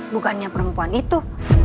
bukannya perempuan itu